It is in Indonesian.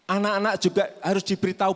anak anak juga harus diberitahu